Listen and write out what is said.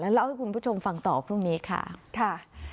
เล่าให้คุณผู้ชมฟังต่อพรุ่งนี้ค่ะ